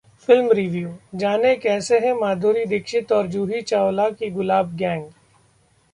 Film Review: जानें कैसी है माधुरी दीक्षित और जूही चावला की 'गुलाब गैंग'